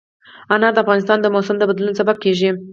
انار د افغانستان د موسم د بدلون سبب کېږي.